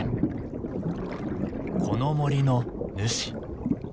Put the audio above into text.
この森の主。